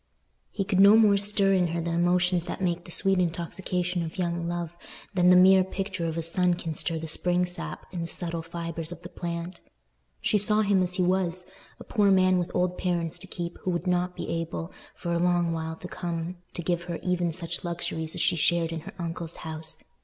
He could no more stir in her the emotions that make the sweet intoxication of young love than the mere picture of a sun can stir the spring sap in the subtle fibres of the plant. She saw him as he was—a poor man with old parents to keep, who would not be able, for a long while to come, to give her even such luxuries as she shared in her uncle's house.